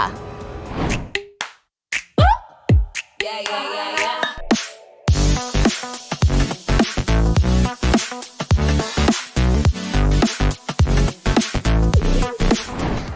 แล้วที่สุดท้ายก็คือ